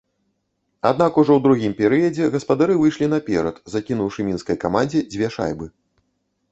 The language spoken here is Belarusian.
Аднак ужо ў другім перыядзе гаспадары выйшлі наперад, закінуўшы мінскай камандзе дзве шайбы.